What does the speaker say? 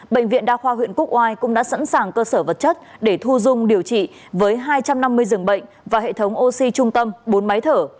bệnh viện đa khoa huyện quốc oai cũng đã sẵn sàng cơ sở vật chất để thu dung điều trị với hai trăm năm mươi giường bệnh và hệ thống oxy trung tâm bốn máy thở